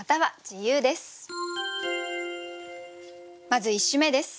まず１首目です。